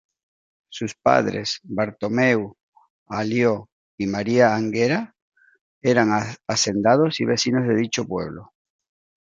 Sus padres Bartomeu Alió y Maria Anguera, eran hacendados y vecinos de dicho pueblo.